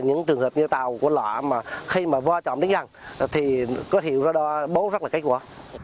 những trường hợp như tàu của lõa mà khi mà vô trọng đến gần thì có hiệu ra đó bố rất là kết quả